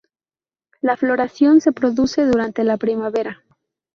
La floración se produce durante la primavera.